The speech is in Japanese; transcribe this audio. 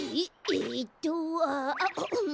えっとああんん！